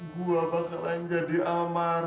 gue bakalan jadi amal